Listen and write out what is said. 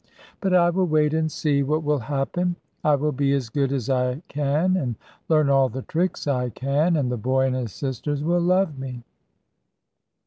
But I will wait and see what will happen. I will be as good as I can, and learn all the tricks I can, and the boy and his sisters will love me."